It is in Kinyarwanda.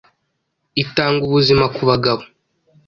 itanga ubuzima ku bagabo